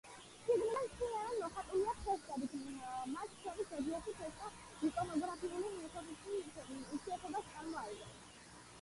შიგნიდან მთლიანად მოხატულია ფრესკებით, მათ შორის ზოგიერთი ფრესკა იკონოგრაფიული თვალსაზრისით იშვიათობას წარმოადგენს.